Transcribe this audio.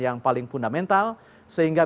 yang paling fundamental sehingga